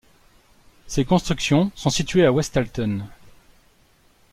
Ces constructions sont situées à Westhalten.